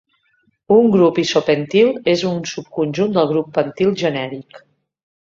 Un grup isopentil és un subconjunt del grup pentil genèric.